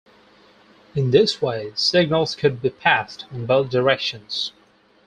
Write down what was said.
In this way signals could be passed in both directions.